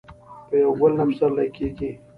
په یو ګل نه پسرلې کیږي.